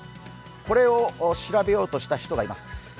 これを調べようとした人がいます。